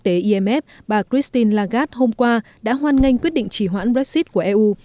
hội imf bà christine lagarde hôm qua đã hoan nghênh quyết định trì hoãn brexit của eu